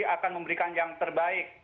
akan memberikan yang terbaik